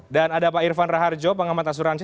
dan ada pak irvan raharjo pengamat asuransi